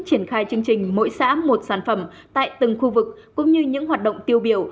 triển khai chương trình mỗi xã một sản phẩm tại từng khu vực cũng như những hoạt động tiêu biểu